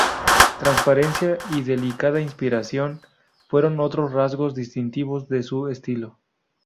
Transparencia y delicada inspiración fueron otros rasgos distintivos de su estilo.